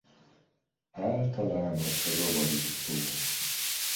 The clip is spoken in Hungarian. Általános rovarirtó.